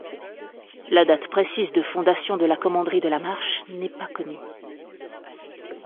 La date précise de fondation de la commanderie de La Marche n'est pas connue.